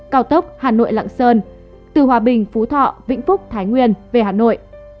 cao tốc hà nội lạng sơn từ hòa bình phú thọ vĩnh phúc thái nguyên về hà nội